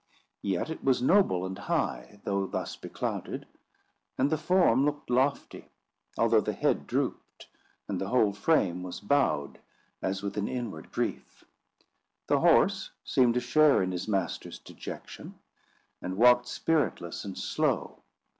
Yet it was noble and high, though thus beclouded; and the form looked lofty, although the head drooped, and the whole frame was bowed as with an inward grief. The horse seemed to share in his master's dejection, and walked spiritless and slow.